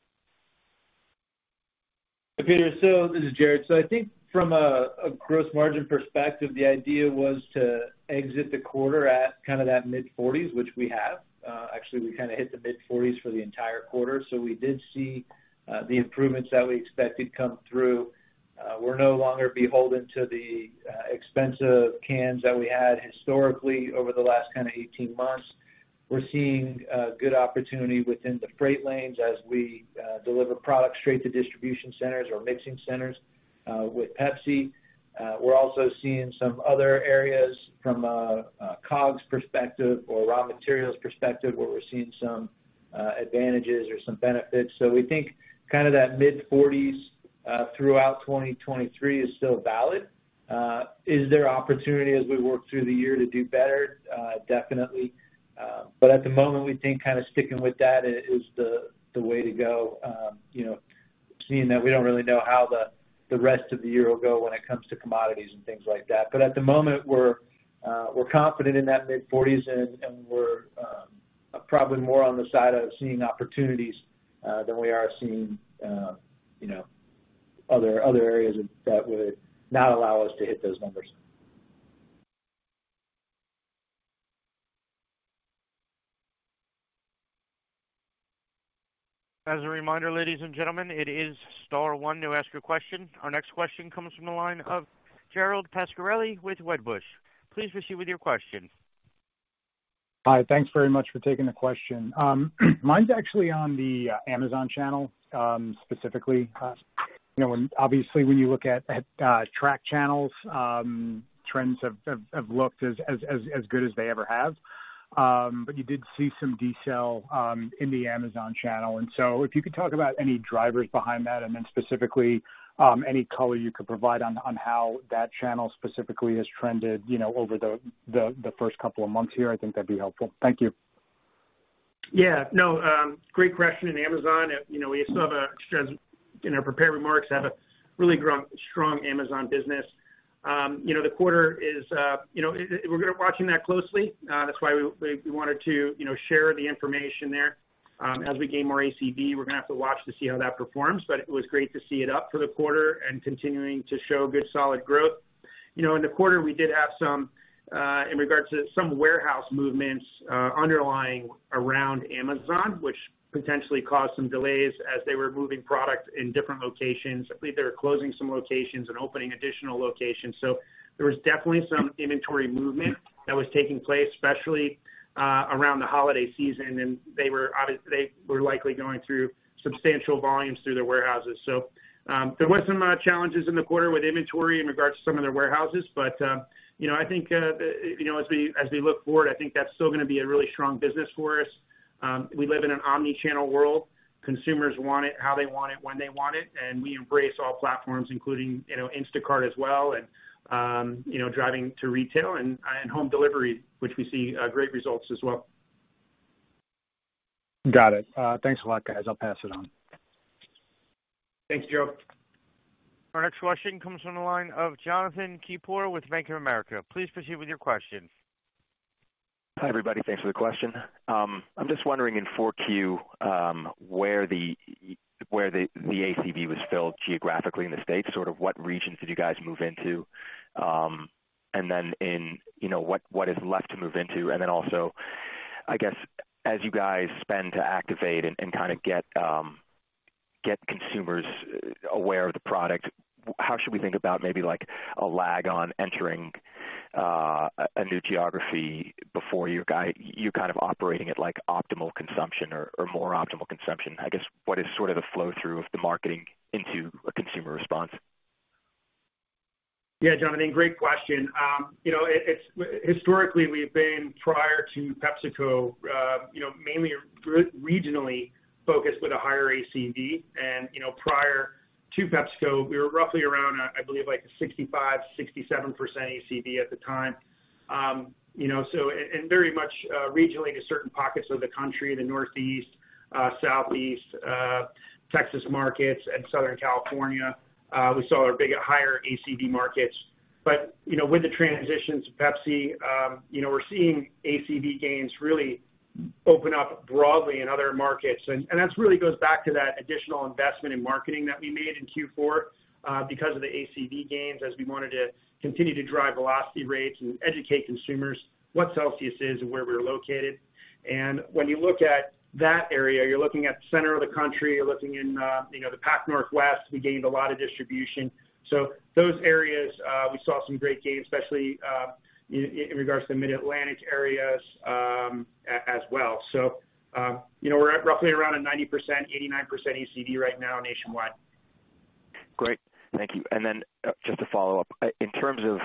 Peter, this is Jarrod. I think from a gross margin perspective, the idea was to exit the quarter at kind of that mid-40s, which we have. Actually we kind of hit the mid-40s for the entire quarter. We did see the improvements that we expected come through. We're no longer beholden to the expensive cans that we had historically over the last kind of 18 months. We're seeing good opportunity within the freight lanes as we deliver product straight to distribution centers or mixing centers with Pepsi. We're also seeing some other areas from a COGS perspective or raw materials perspective where we're seeing some advantages or some benefits. We think kind of that mid-40s throughout 2023 is still valid. Is there opportunity as we work through the year to do better? Definitely. At the moment, we think kind of sticking with that is the way to go, you know, seeing that we don't really know how the rest of the year will go when it comes to commodities and things like that. At the moment we're confident in that mid-40s and we're probably more on the side of seeing opportunities than we are seeing, you know, other areas that would not allow us to hit those numbers. As a reminder, ladies and gentlemen, it is star one to ask your question. Our next question comes from the line of Gerald Pascarelli with Wedbush. Please proceed with your question. Hi. Thanks very much for taking the question. mine's actually on the Amazon channel, specifically. you know, obviously, when you look at track channels, trends have looked as good as they ever have. but you did see some decel in the Amazon channel. If you could talk about any drivers behind that, and then specifically, any color you could provide on how that channel specifically has trended, you know, over the first couple of months here, I think that'd be helpful. Thank you. No, great question in Amazon. You know, we still have a strength in our prepared remarks, have a really strong Amazon business. You know, the quarter is, you know, we're gonna watching that closely. That's why we wanted to, you know, share the information there. As we gain more ACV, we're gonna have to watch to see how that performs. It was great to see it up for the quarter and continuing to show good solid growth. You know, in the quarter we did have some, in regards to some warehouse movements, underlying around Amazon, which potentially caused some delays as they were moving product in different locations. I believe they were closing some locations and opening additional locations. There was definitely some inventory movement that was taking place, especially around the holiday season. They were likely going through substantial volumes through their warehouses. There was some challenges in the quarter with inventory in regards to some of their warehouses. You know, I think, you know, as we, as we look forward, I think that's still gonna be a really strong business for us. We live in an omni-channel world. Consumers want it, how they want it, when they want it, and we embrace all platforms, including, you know, Instacart as well and, you know, driving to retail and home delivery, which we see great results as well. Got it. Thanks a lot, guys. I'll pass it on. Thanks, Gerald. Our next question comes from the line of Jonathan Keypour with Bank of America. Please proceed with your question. Hi, everybody. Thanks for the question. I'm just wondering in 4Q, where the ACV was filled geographically in the States, sort of what regions did you guys move into, and then in, you know, what is left to move into? I guess, as you guys spend to activate and kind of get consumers aware of the product, how should we think about maybe like a lag on entering, a new geography before you kind of operating at, like, optimal consumption or more optimal consumption? I guess what is sort of the flow through of the marketing into a consumer response? Yeah, Jonathan, great question. You know, it's. Historically, we've been, prior to PepsiCo, you know, mainly re-regionally focused with a higher ACD. You know, prior to PepsiCo, we were roughly around, I believe, like 65%-67% ACD at the time. You know, so, and very much, regionally to certain pockets of the country, the Northeast, Southeast, Texas markets and Southern California, we saw our big higher ACD markets. You know, with the transitions to Pepsi, we're seeing ACD gains really open up broadly in other markets. That's really goes back to that additional investment in marketing that we made in Q4 because of the ACD gains as we wanted to continue to drive velocity rates and educate consumers what Celsius is and where we're located. When you look at that area, you're looking at the center of the country, you're looking in, you know, the Pac Northwest, we gained a lot of distribution. Those areas, we saw some great gains, especially in regards to Mid-Atlantic areas as well. You know, we're at roughly around a 90%, 89% ACD right now nationwide. Great. Thank you. Just to follow up. In terms of,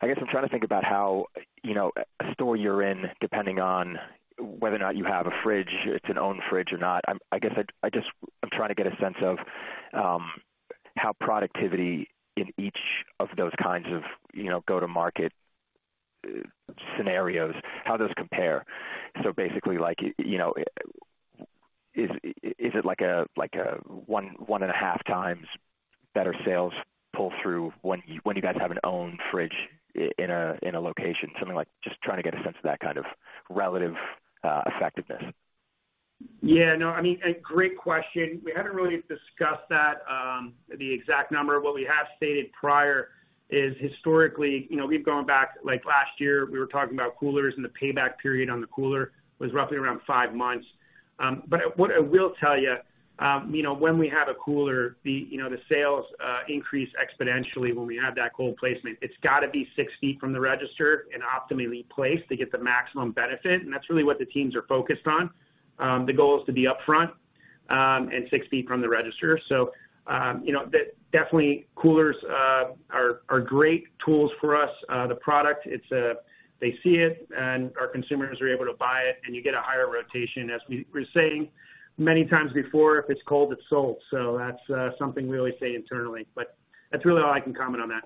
I guess I'm trying to think about how, you know, a store you're in, depending on whether or not you have a fridge, it's an own fridge or not. I guess I'm trying to get a sense of how productivity in each of those kinds of, you know, go-to-market scenarios, how those compare. Basically like, you know, is it like a 1.5x better sales pull through when you guys have an own fridge in a location? Something like just trying to get a sense of that kind of relative effectiveness. Yeah, no. I mean, a great question. We haven't really discussed that, the exact number. What we have stated prior is historically, you know, we've gone back, like last year, we were talking about coolers and the payback period on the cooler was roughly around five months. But what I will tell you know, when we have a cooler, the, you know, the sales increase exponentially when we have that cold placement. It's got to be 6 ft from the register and optimally placed to get the maximum benefit. That's really what the teams are focused on. The goal is to be upfront, and 6 ft rom the register. You know, that definitely coolers are great tools for us. The product, it's, they see it and our consumers are able to buy it, and you get a higher rotation. As we were saying many times before, if it's cold, it's sold. That's something we only say internally, but that's really all I can comment on that.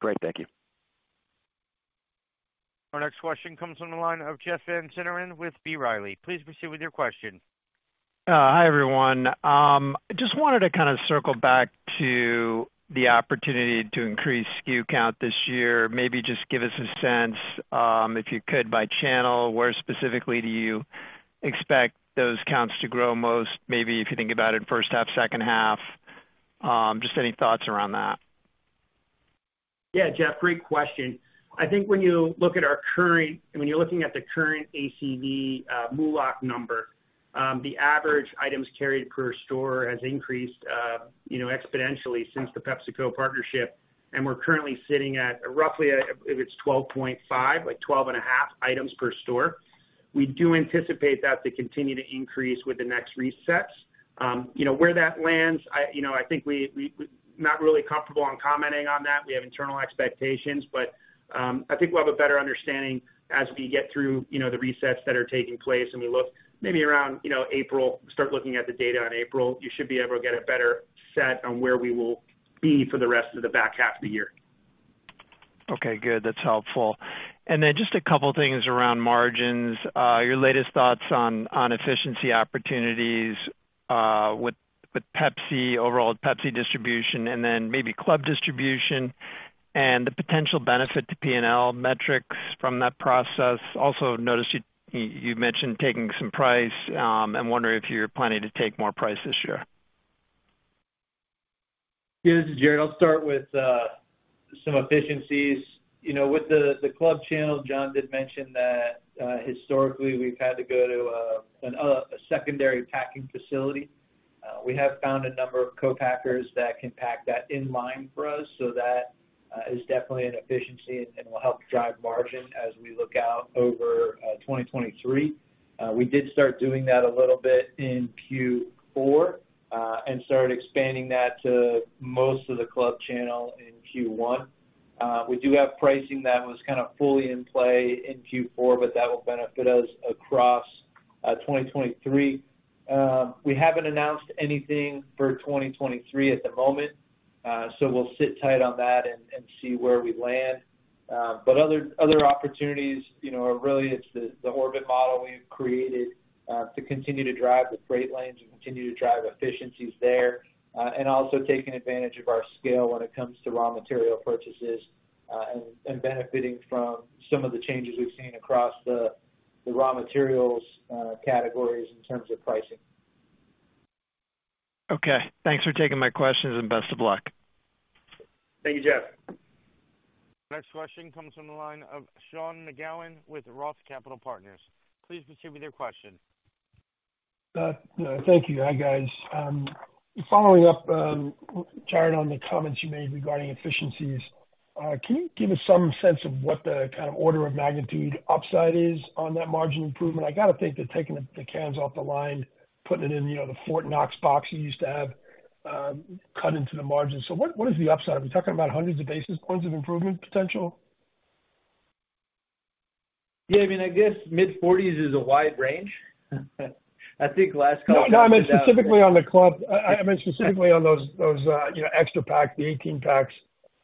Great. Thank you. Our next question comes from the line of Jeff Van Sinderen with B. Riley. Please proceed with your question. Hi, everyone. Just wanted to kind of circle back to the opportunity to increase SKU count this year. Maybe just give us a sense, if you could, by channel, where specifically do you expect those counts to grow most? Maybe if you think about it first half, second half, just any thoughts around that? Yeah, Jeff, great question. I think when you're looking at the current ACV MULO+C number, the average items carried per store has increased, you know, exponentially since the PepsiCo partnership. We're currently sitting at roughly, if it's 12.5, like 12.5 items per store. We do anticipate that to continue to increase with the next resets. You know, where that lands, I, you know, I think we not really comfortable on commenting on that. We have internal expectations, but I think we'll have a better understanding as we get through, you know, the resets that are taking place and we look maybe around, you know, April, start looking at the data in April.You should be able to get a better set on where we will be for the rest of the back half of the year. Okay, good. That's helpful. Just a couple of things around margins. Your latest thoughts on efficiency opportunities with Pepsi, overall Pepsi distribution and then maybe club distribution and the potential benefit to P&L metrics from that process. Also noticed you mentioned taking some price, I'm wondering if you're planning to take more price this year? Yeah, this is Jarrod. I'll start with some efficiencies. You know, with the club channel, John did mention that historically we've had to go to a secondary packing facility. We have found a number of co-packers that can pack that in-line for us. That is definitely an efficiency and will help drive margin as we look out over 2023. We did start doing that a little bit in Q4 and started expanding that to most of the club channel in Q1. We do have pricing that was kind of fully in play in Q4, but that will benefit us across 2023. We haven't announced anything for 2023 at the moment, so we'll sit tight on that and see where we land. Other opportunities, you know, are really it's the Orbit model we've created to continue to drive the freight lanes and continue to drive efficiencies there, and also taking advantage of our scale when it comes to raw material purchases, and benefiting from some of the changes we've seen across the raw materials categories in terms of pricing. Okay. Thanks for taking my questions and best of luck. Thank you, Jeff. Next question comes from the line of Sean McGowan with ROTH Capital Partners. Please proceed with your question. Thank you. Hi, guys. Following up, Jarrod, on the comments you made regarding efficiencies, can you give us some sense of what the kind of order of magnitude upside is on that margin improvement? I gotta think that taking the cans off the line, putting it in, you know, the Fort Knox box you used to have, cut into the margin. What is the upside? Are we talking about hundreds of basis points of improvement potential? Yeah, I mean, I guess mid-forties is a wide range. I think last couple- No, I meant specifically on the club. I meant specifically on those, you know, extra pack, the 18 packs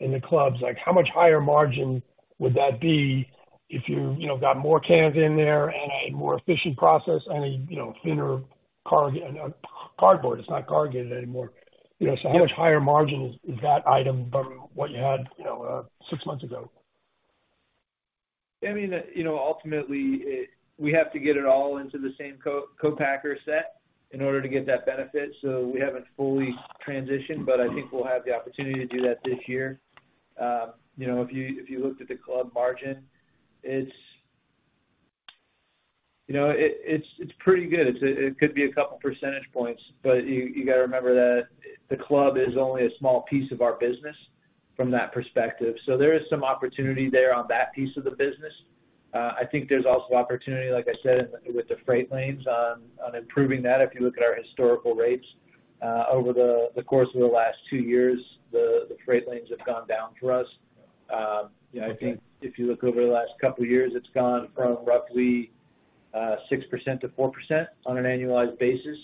in the clubs. Like, how much higher margin would that be if you know, got more cans in there and a more efficient process and a, you know, thinner cargo, cardboard? It's not cargo anymore. You know, how much higher margin is that item from what you had, you know, six months ago? I mean, you know, ultimately we have to get it all into the same copacker set in order to get that benefit. We haven't fully transitioned, but I think we'll have the opportunity to do that this year. You know, if you looked at the club margin, it's pretty good. It could be a couple percentage points, but you gotta remember that the club is only a small piece of our business from that perspective. There is some opportunity there on that piece of the business. I think there's also opportunity, like I said, with the freight lanes on improving that. If you look at our historical rates, over the course of the last two years, the freight lanes have gone down for us. You know, I think if you look over the last couple years, it's gone from roughly 6%-4% on an annualized basis.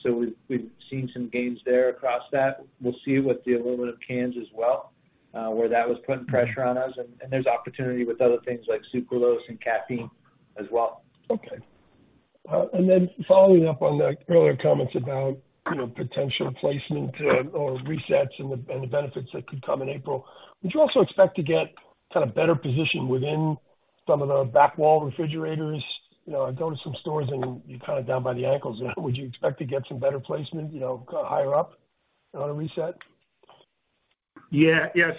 We've seen some gains there across that. We'll see with the aluminum cans as well, where that was putting pressure on us. There's opportunity with other things like sucralose and caffeine as well. Okay. Following up on the earlier comments about, you know, potential placement, or resets and the, and the benefits that could come in April, would you also expect to get kind of better position within some of the back wall refrigerators? You know, I go to some stores and you're kind of down by the ankles. Would you expect to get some better placement, you know, higher up on a reset? Yeah. Yeah.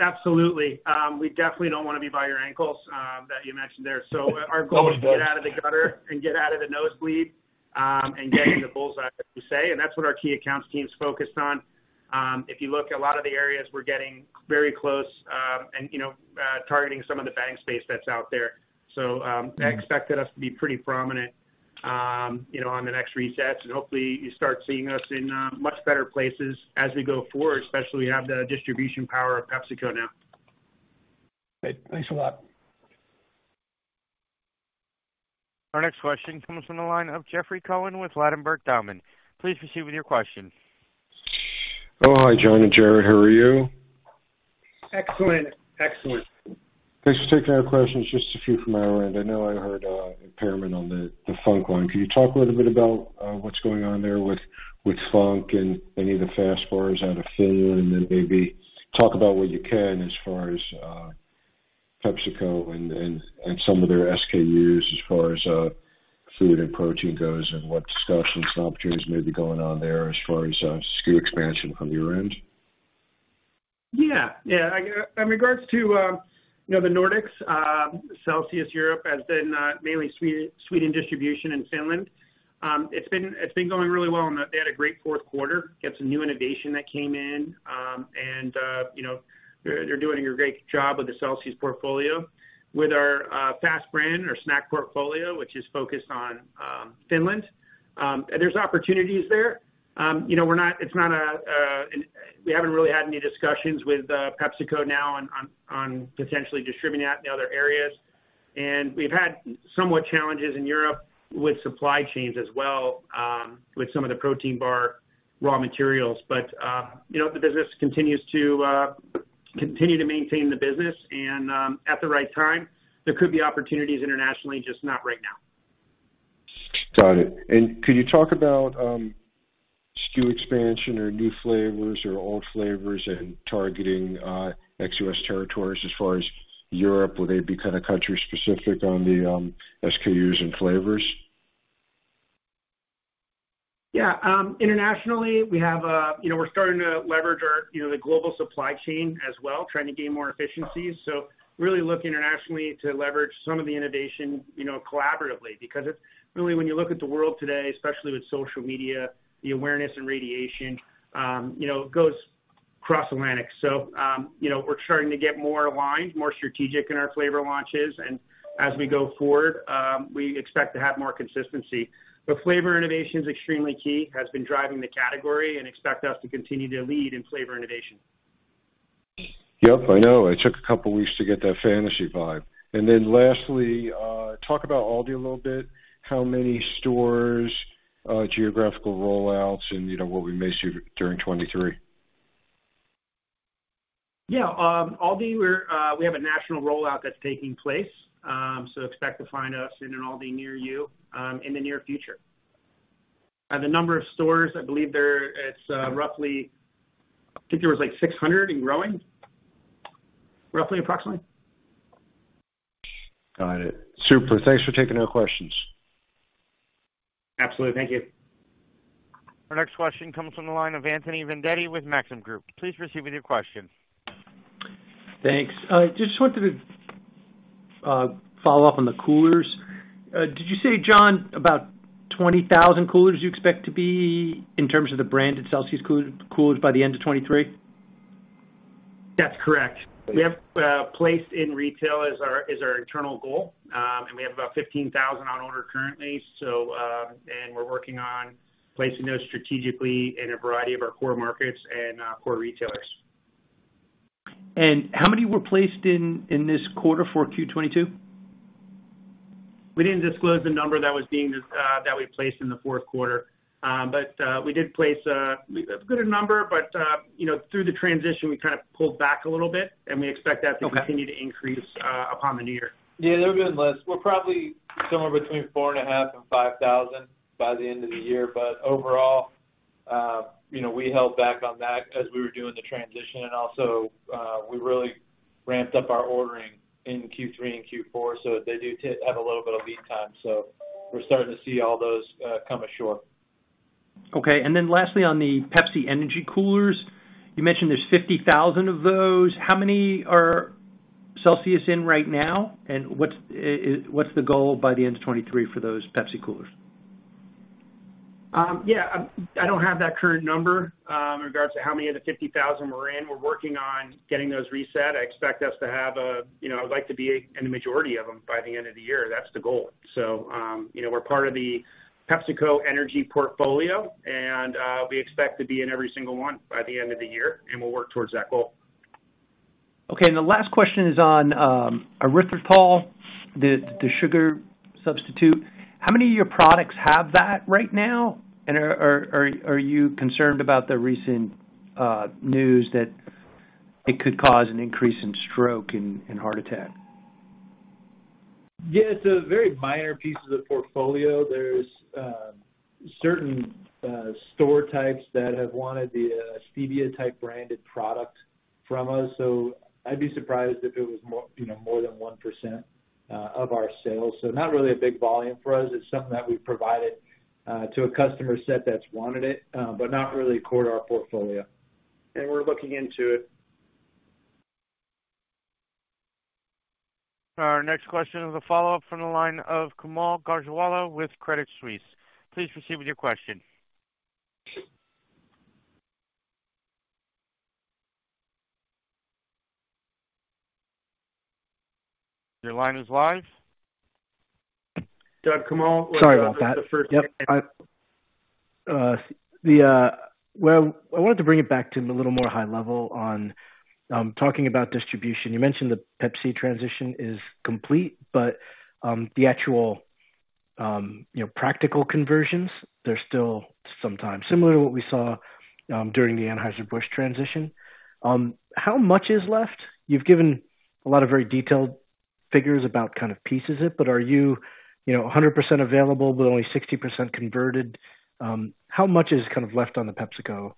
Absolutely. We definitely don't wanna be by your ankles that you mentioned there. Our goal is to get out of the gutter and get out of the nosebleed and get in the bull's eye, as you say. That's what our key accounts team is focused on. If you look at a lot of the areas, we're getting very close, and, you know, targeting some of the Bang space that's out there. I expect us to be pretty prominent, you know, on the next resets, and hopefully you start seeing us in much better places as we go forward, especially have the distribution power of PepsiCo now. Great. Thanks a lot. Our next question comes from the line of Jeffrey Cohen with Ladenburg Thalmann. Please proceed with your question. Oh, hi, John and Jarrod. How are you? Excellent. Excellent. Thanks for taking our questions. Just a few from my end. I know I heard, impairment on the Func line. Can you talk a little bit about, what's going on there with Func and any of the FAST bars out of Finland? Maybe talk about what you can as far as, PepsiCo and some of their SKUs as far as, food and protein goes, and what discussions and opportunities may be going on there as far as, SKU expansion from your end. Yeah. Yeah. In regards to, you know, the Nordics, Celsius Europe has been mainly Sweden distribution in Finland. It's been going really well, and they had a great fourth quarter. Got some new innovation that came in, and, you know, they're doing a great job with the Celsius portfolio. With our FAST brand or snack portfolio, which is focused on Finland, there's opportunities there. You know, we're not, it's not. We haven't really had any discussions with PepsiCo now on potentially distributing that in the other areas. We've had somewhat challenges in Europe with supply chains as well, with some of the protein bar raw materials. You know, the business continues to maintain the business and, at the right time, there could be opportunities internationally, just not right now. Got it. Could you talk about SKU expansion or new flavors or old flavors and targeting ex-U.S. territories as far as Europe? Would they be kind of country specific on the SKUs and flavors? Yeah. Internationally, we have, you know, we're starting to leverage our, you know, the global supply chain as well, trying to gain more efficiencies. Really look internationally to leverage some of the innovation, you know, collaboratively. It's really when you look at the world today, especially with social media, the awareness and radiation, you know, goes cross Atlantic. You know, we're starting to get more aligned, more strategic in our flavor launches. As we go forward, we expect to have more consistency. Flavor innovation is extremely key. Has been driving the category and expect us to continue to lead in flavor innovation. Yep, I know. It took a couple weeks to get that Fantasy Vibe. Lastly, talk about ALDI a little bit, how many stores, geographical rollouts and, you know, what we may see during 2023. Yeah. Aldi, we're, we have a national rollout that's taking place. Expect to find us in an Aldi near you, in the near future. The number of stores, I believe there it's, roughly I think there was like 600 and growing, roughly, approximately. Got it. Super. Thanks for taking our questions. Absolutely. Thank you. Our next question comes from the line of Anthony Vendetti with Maxim Group. Please proceed with your question. Thanks. I just wanted to follow up on the coolers. Did you say, John, about 20,000 coolers you expect to be in terms of the brand Celsius coolers by the end of 2023? That's correct. We have placed in retail is our internal goal. We have about 15,000 on order currently. We're working on placing those strategically in a variety of our core markets and core retailers. How many were placed in this quarter for Q 22? We didn't disclose the number that was being, that we placed in the fourth quarter. We did place, a good number. You know, through the transition, we kind of pulled back a little bit, and we expect that to continue to increase, upon the new year. Yeah, they're a bit less. We're probably somewhere between 4,500 and 5,000 by the end of the year. Overall, you know, we held back on that as we were doing the transition. Also, we really ramped up our ordering in Q3 and Q4, so they do have a little bit of lead time. We're starting to see all those come ashore. Okay. Lastly, on the Pepsi Energy coolers, you mentioned there's 50,000 of those. How many are Celsius in right now? What's, what's the goal by the end of 2023 for those Pepsi coolers? Yeah, I don't have that current number, in regards to how many of the 50,000 we're in. We're working on getting those reset. I expect us to have a, you know, I would like to be in the majority of them by the end of the year. That's the goal. You know, we're part of the PepsiCo energy portfolio, and we expect to be in every single one by the end of the year, and we'll work towards that goal. Okay. The last question is on erythritol, the sugar substitute. How many of your products have that right now? Are you concerned about the recent news that it could cause an increase in stroke and heart attack? It's a very minor piece of the portfolio. There's, certain, store types that have wanted the stevia type branded product from us, so I'd be surprised if it was more, you know, more than 1% of our sales. Not really a big volume for us. It's something that we've provided, to a customer set that's wanted it, but not really a core to our portfolio. We're looking into it. Our next question is a follow-up from the line of Kaumil Gajrawala with Credit Suisse. Please proceed with your question. Your line is live. Go ahead, Kaumil. Sorry about that. Yep. Well, I wanted to bring it back to a little more high level on talking about distribution. You mentioned the Pepsi transition is complete, but the actual, you know, practical conversions, they're still sometimes similar to what we saw during the Anheuser-Busch transition. How much is left? You've given a lot of very detailed figures about kind of pieces it, but are you know, 100% available but only 60% converted? How much is kind of left on the PepsiCo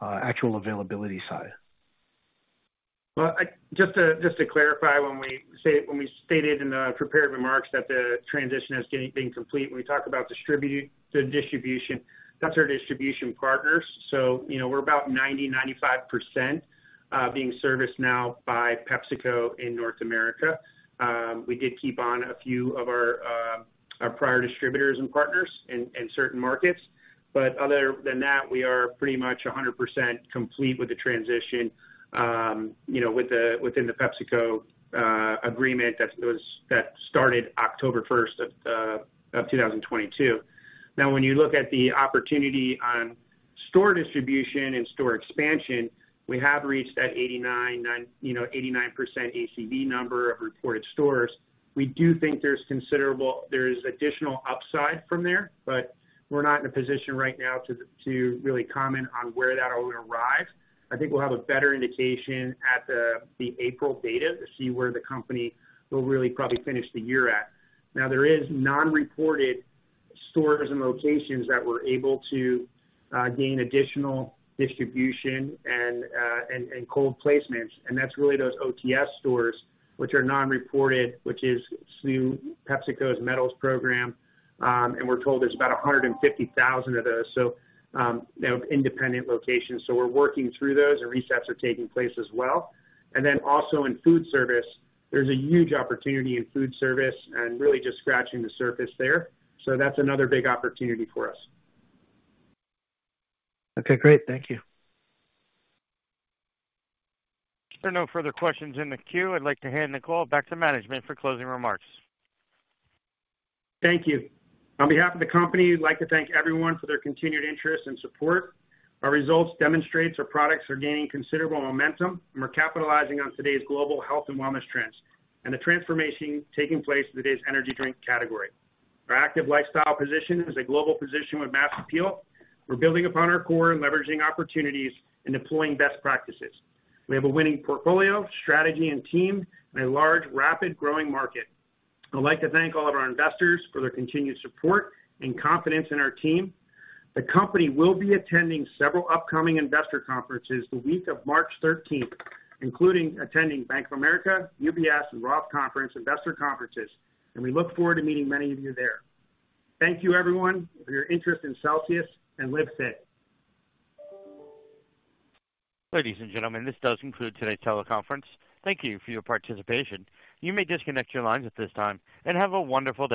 actual availability side? Well, I just to clarify, when we say, when we stated in the prepared remarks that the transition is getting complete, when we talk about the distribution, that's our distribution partners. You know, we're about 90%, 95% being serviced now by PepsiCo in North America. We did keep on a few of our prior distributors and partners in certain markets. Other than that, we are pretty much 100% complete with the transition, you know, within the PepsiCo agreement that started October 1st, 2022. Now, when you look at the opportunity on store distribution and store expansion, we have reached that 89%, 9%, you know, 89% ACV number of reported stores. We do think there's additional upside from there, but we're not in a position right now to really comment on where that will arrive. I think we'll have a better indication at the April data to see where the company will really probably finish the year at. There is non-reported stores and locations that we're able to gain additional distribution and cold placements. That's really those OTS stores which are non-reported, which is through PepsiCo's Metals program. We're told there's about 150,000 of those, you know, independent locations. We're working through those and resets are taking place as well. Also in food service, there's a huge opportunity in food service and really just scratching the surface there. That's another big opportunity for us. Okay, great. Thank you. There are no further questions in the queue. I'd like to hand the call back to management for closing remarks. Thank you. On behalf of the company, we'd like to thank everyone for their continued interest and support. Our results demonstrates our products are gaining considerable momentum, and we're capitalizing on today's global health and wellness trends and the transformation taking place in today's energy drink category. Our active lifestyle position is a global position with mass appeal. We're building upon our core and leveraging opportunities and deploying best practices. We have a winning portfolio, strategy and team, and a large, rapid growing market. I'd like to thank all of our investors for their continued support and confidence in our team. The company will be attending several upcoming investor conferences the week of March 13th, including attending Bank of America, UBS and ROTH Conference investor conferences. We look forward to meeting many of you there. Thank you, everyone, for your interest in Celsius and Live Fit. Ladies and gentlemen, this does conclude today's teleconference. Thank you for your participation. You may disconnect your lines at this time. Have a wonderful day.